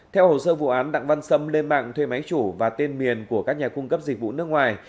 theo hồ sơ vụ án đặng văn sâm lên mạng thuê máy chủ và tên miền của các nhà cung cấp dịch vụ nước ngoài